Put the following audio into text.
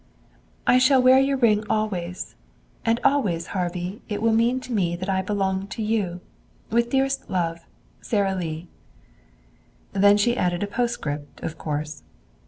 "I shall wear your ring always; and always, Harvey, it will mean to me that I belong to you. With dearest love. "SARA LEE" Then she added a postscript, of course.